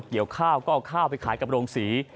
ข้าวก็เอาข้าวไปขายกับโรงศรี